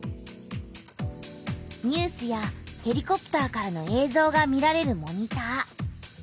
ニュースやヘリコプターからのえいぞうが見られるモニター。